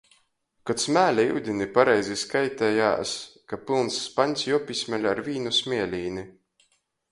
Kod smēle iudini, pareizi skaitejās, ka pylns spaņs juopīsmeļ ar vīnu smielīni.